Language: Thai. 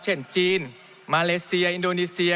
เช่นจีนมาเลเซียอินโดนีเซีย